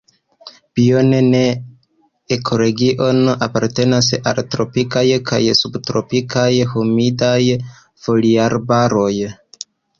Biome la ekoregiono apartenas al tropikaj kaj subtropikaj humidaj foliarbaroj.